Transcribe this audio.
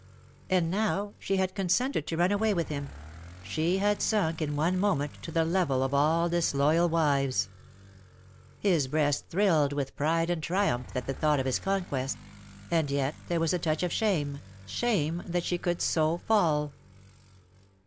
And now she had consented to run away with him : she had sunk in one moment to the level of all disloyal wives. His breast thrilled with pride and triumph at the thought of his con quest : and yet there was a touch of shame, shame that she could so fall.